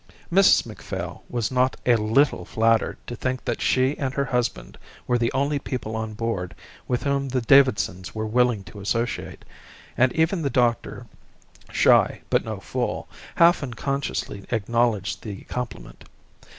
Mrs Macphail was not a little flattered to think that she and her husband were the only people on board with whom the Davidsons were willing to associate, and even the doctor, shy but no fool, half unconsciously acknowledged the compliment.